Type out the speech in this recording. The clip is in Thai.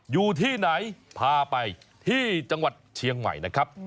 อยู่ที่ไหนพาไปที่จังหวัดเชียงใหม่นะครับ